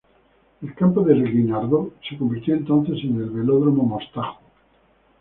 El Campo del Guinardó se convirtió entonces en el Velódromo Mostajo.